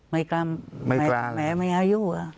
ไม่กล้ามแม่ไม่ให้อยู่อะ